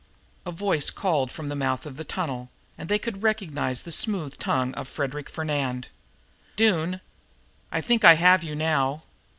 A voice called from the mouth of the tunnel, and they could recognize the smooth tongue of Frederic Fernand. "Doone, I think I have you now.